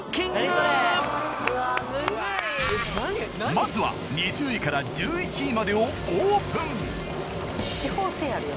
まずは２０位から１１位までをオープン地方性あるよ。